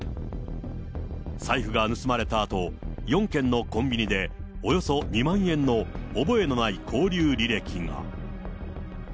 財布が盗まれたあと、４件のコンビニで、およそ２万円の覚えのない購入履歴が。